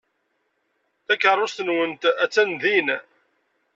Takeṛṛust-nwent attan din.